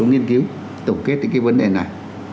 một số nghiên cứu tổng kết đến cái vấn đề này